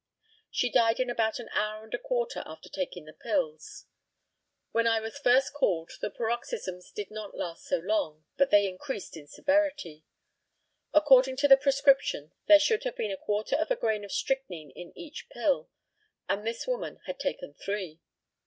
She died in about an hour and a quarter after taking the pills. When I was called first the paroxysms did not last so long; but they increased in severity. According to the prescription there should have been a quarter of a grain of strychnine in each pill, and this woman had taken three.